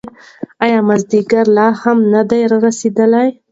ایا مازیګر لا نه دی رارسېدلی؟